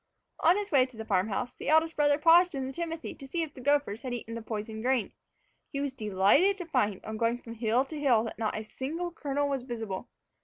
On his way back to the farm house, the eldest brother paused in the timothy to see if the gophers had eaten of the poisoned grain. He was delighted to find, on going from hill to hill, that not a single kernel was visible!